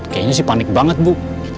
kayaknya sih panik banget bu